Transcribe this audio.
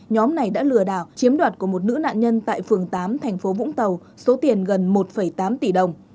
nhóm này đã lừa đảo chiếm đoạt của một nữ nạn nhân tại phường tám thành phố vũng tàu số tiền gần một tám tỷ đồng